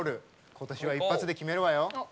今年は一発で決めるわよ！